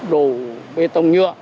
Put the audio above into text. đồ bê tông nhựa